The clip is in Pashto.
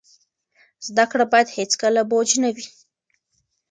زده کړه باید هیڅکله بوج نه وي.